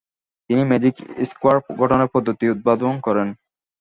তিনি magic square গঠনের পদ্ধতি উদ্ভাবন করেন।